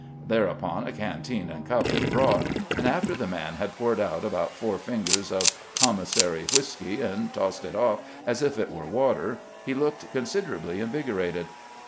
Thereupon a canteen and cup were brought, and after the man had poured out about four fingers of commis sary whisky and tossed it off as if it were water, he looked considerably invigorated.